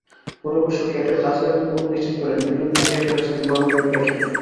পরে অবশ্য ক্যাটের কাছের একজন বন্ধু নিশ্চিত করেন, বিরোধ মিটিয়ে ফেলেছেন রণবীর-ক্যাটরিনা।